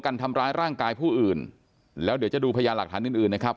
ทำร้ายร่างกายผู้อื่นแล้วเดี๋ยวจะดูพยานหลักฐานอื่นอื่นนะครับ